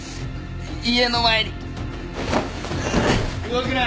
動くな！